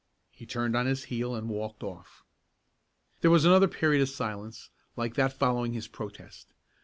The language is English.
He turned on his heel and walked off. There was another period of silence like that following his protest.